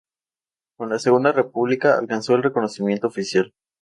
Con la Segunda República alcanzó el reconocimiento oficial.